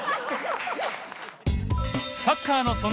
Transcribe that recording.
「サッカーの園」